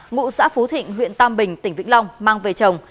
ngụ xã phú thịnh huyện tam bình tỉnh vĩnh long mang về chồng